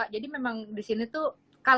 jadi memang disini tuh